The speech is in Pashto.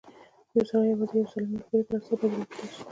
يو سړی يوازې د يوې سالمې مفکورې پر اساس بريالی کېدای شي.